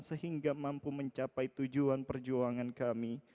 sehingga mampu mencapai tujuan perjuangan kami